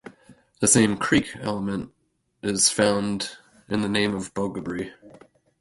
The same "creek" element is found in the name of Boggabri.